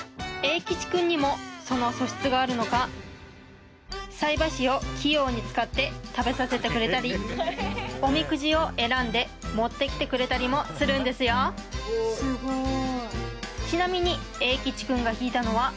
いきちくんにもその素質があるのか菜箸を器用に使って食べさせてくれたりおみくじを選んで持ってきてくれたりもするんですよおおお願いします